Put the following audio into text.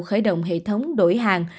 khởi động hệ thống đổi hàng